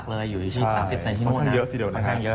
ค่อนข้างเยอะที่เดียวนะครับ